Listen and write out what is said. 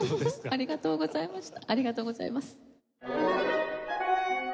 ありがとうございます。